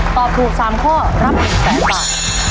ตอบถูก๓ข้อรับ๑๐๐๐๐บาท